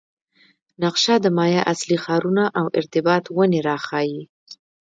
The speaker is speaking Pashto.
نقشه د مایا اصلي ښارونه او ارتباط ونې راښيي